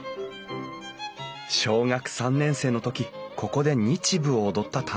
小学３年生の時ここで日舞を踊った田邊さん。